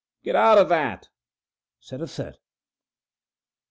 "Get out o' that!" said a third.